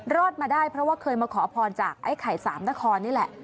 รอดมาได้เพราะว่าเคยมาขอพรจากไอ้ไข่สามนครนี่แหละ